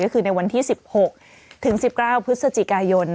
ก็คือในวันที่๑๖ถึง๑๙พฤศจิกายน